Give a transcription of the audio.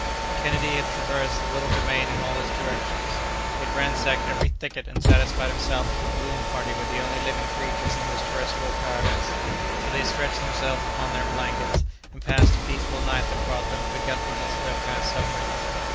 Kennedy had traversed the little domain in all directions. He had ransacked every thicket and satisfied himself that the balloon party were the only living creatures in this terrestrial paradise; so they stretched themselves upon their blankets and passed a peaceful night that brought them forgetfulness of their past sufferings.